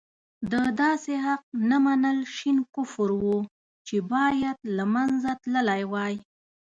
د داسې حق نه منل شين کفر وو چې باید له منځه تللی وای.